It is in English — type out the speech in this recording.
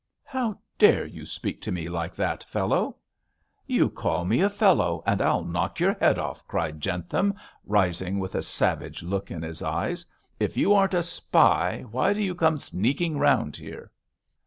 'How dare you speak to me like that, fellow?' 'You call me a fellow and I'll knock your head off,' cried Jentham, rising with a savage look in his eyes. 'If you aren't a spy why do you come sneaking round here?'